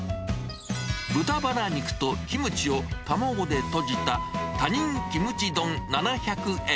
豚バラ肉とキムチを卵でとじた他人キムチ丼７００円。